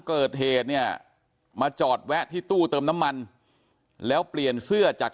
เกิดเหตุเนี่ยมาจอดแวะที่ตู้เติมน้ำมันแล้วเปลี่ยนเสื้อจาก